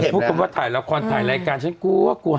พูดคำว่าถ่ายละครถ่ายรายการฉันกลัวกลัว